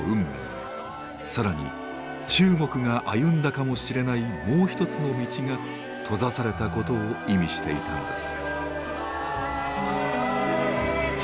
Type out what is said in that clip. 更に中国が歩んだかもしれないもう一つの道が閉ざされたことを意味していたのです。